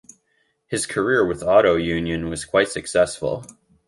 His career with Auto Union was quite successful.